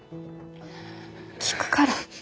聞くから。